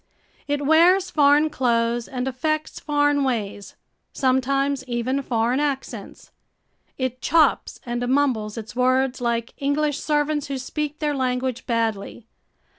It wears foreign clothes and affects foreign ways, sometimes even foreign accents. It chops and mumbles its words like English servants who speak their language badly.